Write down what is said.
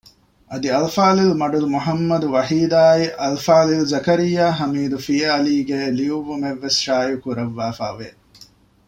އަދި އަލްފާޟިލް މަޑުލު މުޙައްމަދު ވަޙީދާއި އަލްފާޟިލް ޒަކަރިއްޔާ ހަމީދު ފީއަލީ ގެ ލިޔުއްވުމެއް ވެސް ޝާއިއުކުރެވިފައި ވެ